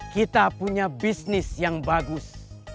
kita punya bisnis yang bagus